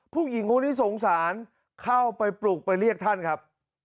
ผู้หญิงคนนี้สงสารเข้าไปปลุกไปเรียกท่านครับ